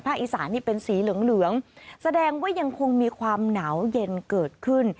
อีสานนี่เป็นสีเหลืองแสดงว่ายังคงมีความหนาวเย็นเกิดขึ้น